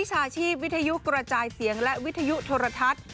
ชาชีพวิทยุกระจายเสียงและวิทยุโทรทัศน์